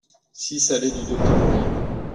six allée du Docteur Royer